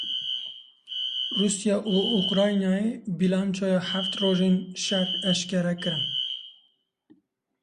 Rûsya û Ukraynayê bîlançoya heft rojên şer eşkere kirin.